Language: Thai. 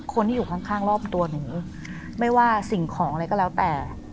คนที่อยู่ข้างรอบตัวหนูไม่ว่าสิ่งของอะไรก็แล้วแต่